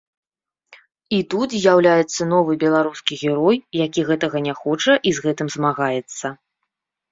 І тут з'яўляецца новы беларускі герой, які гэтага не хоча і з гэтым змагаецца.